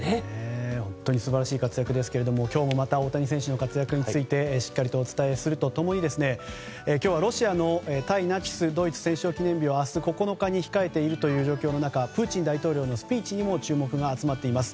本当に素晴らしい活躍ですが今日もまた大谷選手の活躍をしっかりお伝えすると共に今日はロシアの対ナチスドイツ戦勝記念日を明日、９日に控える状況の中プーチン大統領のスピーチにも注目が集まっています。